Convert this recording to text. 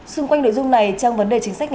xung quanh nội dung này trong vấn đề chính sách